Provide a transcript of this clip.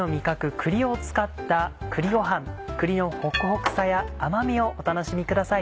栗のホクホクさや甘みをお楽しみください。